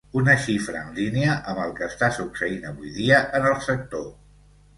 Una xifra en línia amb el que està succeint avui dia en el sector.